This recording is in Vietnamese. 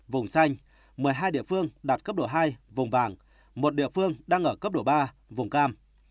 vùng xanh một mươi hai địa phương đạt cấp độ hai vùng vàng một địa phương đang ở cấp độ ba vùng cam